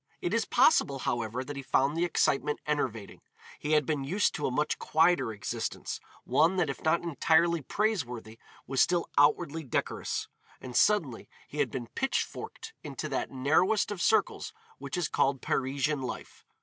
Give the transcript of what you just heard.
It is possible, however, that he found the excitement enervating. He had been used to a much quieter existence, one that if not entirely praiseworthy was still outwardly decorous, and suddenly he had been pitch forked into that narrowest of circles which is called Parisian life.